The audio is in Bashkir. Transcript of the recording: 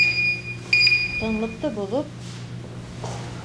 Тынлыҡты боҙоп: